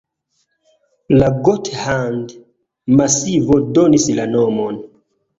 La Gothard-masivo donis la nomon.